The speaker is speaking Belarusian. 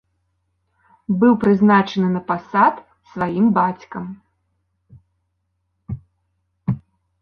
Быў прызначаны на пасад сваім бацькам.